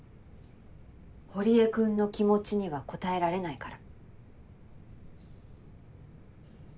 堀江君の気持ちには応えられないから。